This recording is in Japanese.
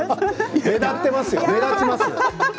目立ってますよ。